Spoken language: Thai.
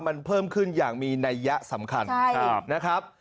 มันเพิ่มขึ้นอย่างมีนัยยะสำคัญนะครับ